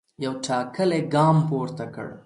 یو ټاکلی ګام پورته کړ.